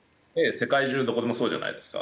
世界中どこでもそうじゃないですか？